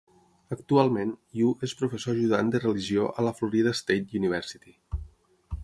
Actualment, Yu és professor ajudant de Religió a la Florida State University.